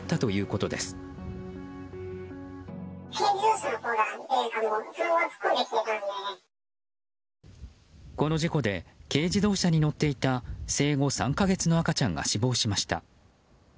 この事故で軽自動車に乗っていた生後３か月の赤ちゃんが死亡しました。